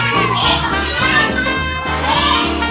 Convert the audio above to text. รู้ิวเค้า